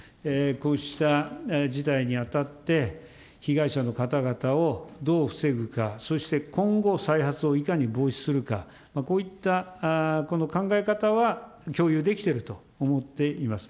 こうした事態に当たって、被害者の方々をどう防ぐか、そして、今後、再発をいかに防止するか、こういったこの考え方は共有できていると思っています。